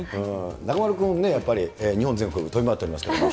中丸君もやっぱり日本全国、飛び回っておりますけれども。